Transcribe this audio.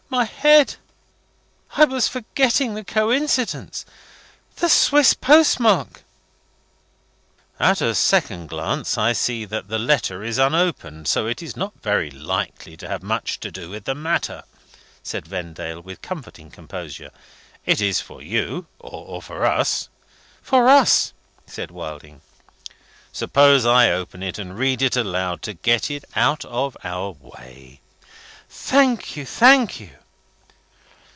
My head! I was forgetting the coincidence. The Swiss postmark." "At a second glance I see that the letter is unopened, so it is not very likely to have much to do with the matter," said Vendale, with comforting composure. "Is it for you, or for us?" "For us," said Wilding. "Suppose I open it and read it aloud, to get it out of our way?" "Thank you, thank you."